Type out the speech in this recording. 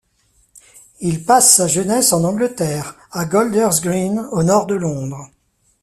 Il passe sa jeunesse en Angleterre, à Golders Green au nord de Londres.